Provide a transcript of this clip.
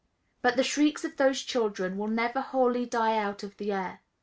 But the shrieks of those children will never wholly die out of the air.